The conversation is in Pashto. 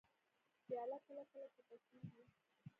پیاله کله کله چپه کېږي.